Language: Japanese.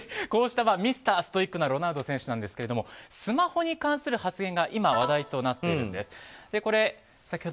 こうしたミスターストイックなロナウド選手ですがスマホに関する発言が今、話題となっているんです。